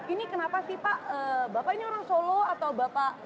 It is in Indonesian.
ini kenapa sih pak bapak ini orang solo atau bapak